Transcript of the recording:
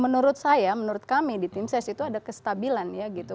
menurut saya menurut kami di tim ses itu ada kestabilan ya gitu